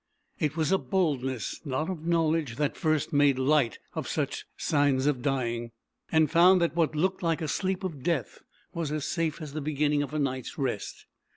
It was a boldness not of knowledge that first made light of such signs of dying, and found that what looked like a sleep of death was as safe as the beginning of a night's rest.